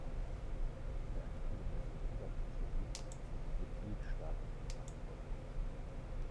Für eine angemessene Übergangsregelung sind die Mitgliedstaaten verantwortlich.